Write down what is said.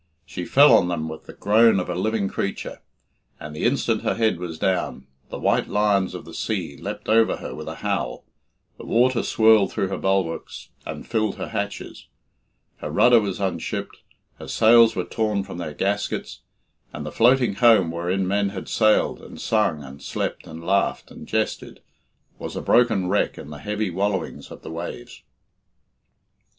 She fell on them with the groan of a living creature, and, the instant her head was down, the white lions of the sea leapt over her with a howl, the water swirled through her bulwarks and filled her hatches, her rudder was unshipped, her sails were torn from their gaskets, and the floating home wherein men had sailed, and sung, and slept, and laughed, and jested, was a broken wreck in the heavy wallowings of the waves.